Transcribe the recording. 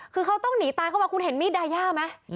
คือเขาต้องหนีตายเข้ามาคุณเห็นมีดดายาไหม